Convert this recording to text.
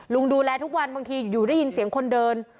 ดูแลทุกวันบางทีอยู่ได้ยินเสียงคนเดิน